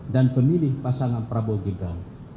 dan pemilih pasangan prabowo gibran